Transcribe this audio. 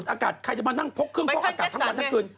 อากาศใครจะมานั่งพกเครื่องฟอกอากาศทั้งวันทั้งคืน